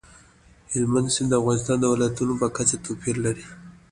هلمند سیند د افغانستان د ولایاتو په کچه توپیر لري.